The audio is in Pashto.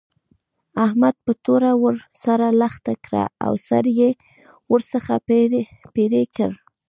احمد په توره ور سره لښته کړه او سر يې ورڅخه پرې کړ.